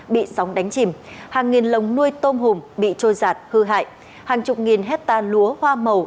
bị sóng đánh chìm hàng nghìn lồng nuôi tôm hùm bị trôi giạt hư hại hàng chục nghìn hectare lúa hoa màu